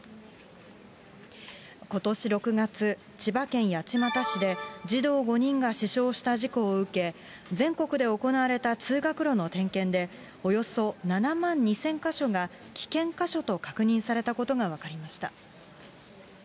ことし６月、千葉県八街市で、児童５人が死傷した事故を受け、全国で行われた通学路の点検で、およそ７万２０００か所が危険箇所と確認されたことが分かりました。